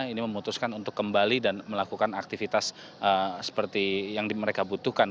ini memutuskan untuk kembali dan melakukan aktivitas seperti yang mereka butuhkan